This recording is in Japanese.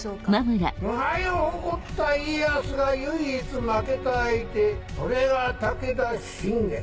無敗を誇った家康が唯一負けた相手それが武田信玄。